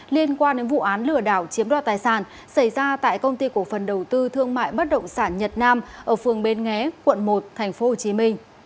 liên quan đến vụ án lừa đảo chiếm đoạt tài sản xảy ra tại công ty cổ phần đầu tư thương mại bất động sản nhật nam ở phường bến nghé quận một tp hcm